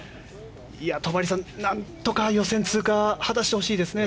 戸張さん、何とか予選通過果たしてほしいですね。